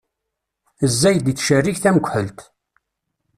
Zzayed ittcerrig tamekḥelt.